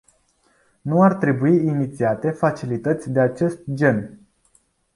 Nu ar trebui inițiate facilități de acest gen.